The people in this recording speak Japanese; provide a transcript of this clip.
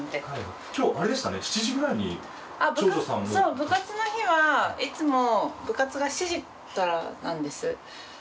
部活の日はいつも部活が７時からなんです。